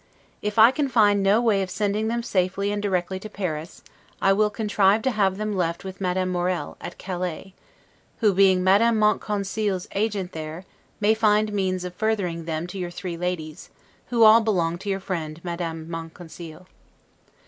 If I can find no way of sending them safely and directly to Paris, I will contrive to have them left with Madame Morel, at Calais, who, being Madame Monconseil's agent there, may find means of furthering them to your three ladies, who all belong to your friend Madame Monconseil.